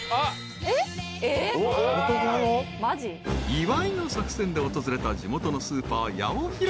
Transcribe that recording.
［岩井の作戦で訪れた地元のスーパーヤオヒロ］